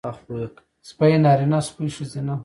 سپی نارينه سپۍ ښځينۀ